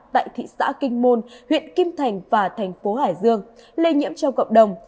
tại thị xã kinh môn huyện kim thành và thành phố hải dương lây nhiễm trong cộng đồng